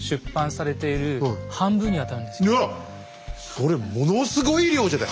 それものすごい量じゃない。